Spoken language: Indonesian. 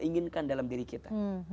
inginkan dalam diri kita